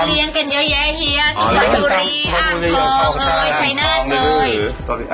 เขาเลี้ยงกันเยอะแยะเฮียสุขาดุรีอ้างทองเฮ้ยชายนาดเฮ้ย